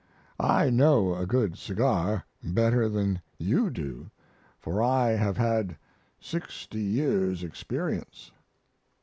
I know a good cigar better than you do, for I have had 60 years' experience.